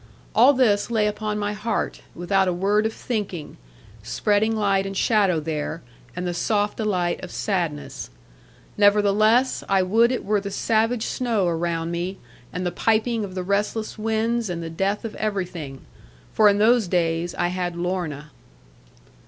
All this lay upon my heart, without a word of thinking, spreading light and shadow there, and the soft delight of sadness. Nevertheless, I would it were the savage snow around me, and the piping of the restless winds, and the death of everything. For in those days I had Lorna.